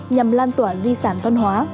nhằm lan tỏa di sản văn hóa